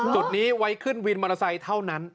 จุดนี้ไว้ขึ้นวินมอเตอร์ไซค์เท่านั้น